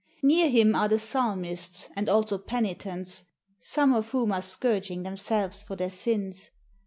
Near him are the psalmists and also penitents, some of whom are scourging themselves for their sins.